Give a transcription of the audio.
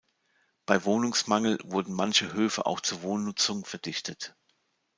Bei Wohnungsmangel wurden manche Höfe auch zur Wohnnutzung verdichtet.